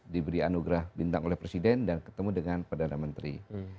diberi anugerah bintang oleh presiden dan ketemu dengan perdana menteri